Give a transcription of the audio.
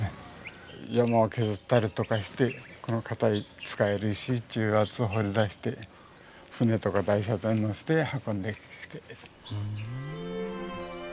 山を削ったりとかしてこの固い使える石っていうやつを掘り出して船とか台車で載せて運んできて。